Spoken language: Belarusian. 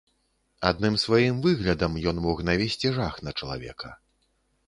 Адным сваім выглядам ён мог навесці жах на чалавека.